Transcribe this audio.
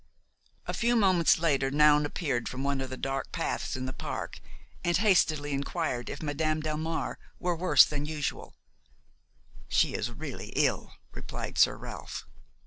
A few moments later Noun appeared from one of the dark paths in the park, and hastily inquired if Madame Delmare were worse than usual. "She is really ill," replied Sir Ralph.